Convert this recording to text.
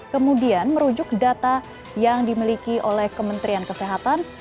kemudian merujuk data yang dimiliki oleh kementerian kesehatan